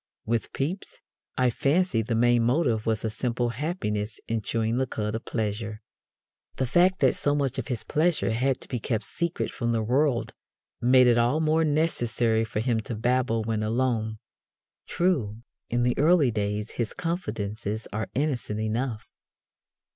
With Pepys, I fancy, the main motive was a simple happiness in chewing the cud of pleasure. The fact that so much of his pleasure had to be kept secret from the world made it all the more necessary for him to babble when alone. True, in the early days his confidences are innocent enough.